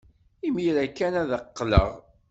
Imir-a kan ad d-qqleɣ.